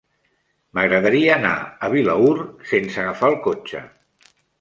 M'agradaria anar a Vilaür sense agafar el cotxe.